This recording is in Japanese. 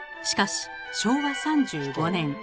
しかし昭和３５年。